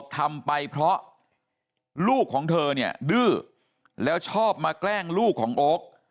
ทำไปเพราะลูกของเธอเนี่ยดื้อแล้วชอบมาแกล้งลูกของโอ๊ค